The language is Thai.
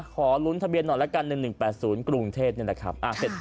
ขอลุ้นทะเบียนหน่อยละกัน๑๑๘๐กรุงเทพนี่แหละครับ